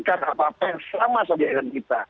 karena apa apa yang sama saja dengan kita